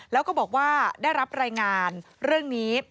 แล้วก็บอกว่าได้รับรายงานเรื่องนี้